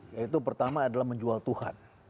yaitu pertama adalah menjual tuhan